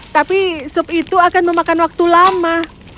tapi sup itu akan memakan waktu lama